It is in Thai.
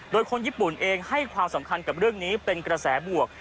โดยคนญี่ปุ่นเองให้ความสำคัญกับเรื่องนี้เป็นกระแสบวก